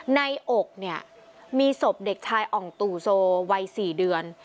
อกเนี่ยมีศพเด็กชายอ่องตู่โซวัย๔เดือน